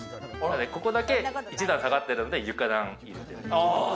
ここだけ一段下がってるんで床暖入れてます。